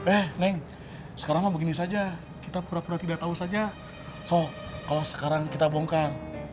eh neng sekarang mah begini saja kita pura pura tidak tahu saja so kalau sekarang kita bongkar